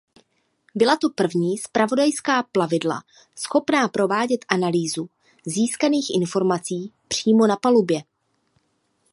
Byla to první zpravodajská plavidla schopná provádět analýzu získaných informací přímo na palubě.